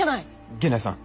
源内さん。